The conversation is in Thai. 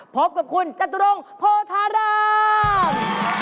พบกับคุณจตุรงโพธาราม